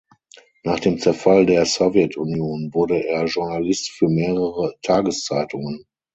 Nach dem Zerfall der Sowjetunion wurde er Journalist für mehrere Tageszeitungen.